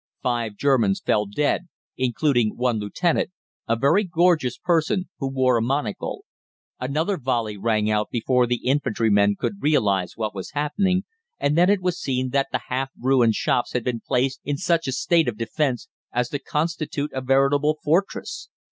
Five Germans fell dead, including one lieutenant, a very gorgeous person who wore a monocle. Another volley rang out before the infantrymen could realise what was happening, and then it was seen that the half ruined shops had been placed in such a state of defence as to constitute a veritable fortress.